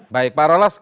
saya kira di luar sana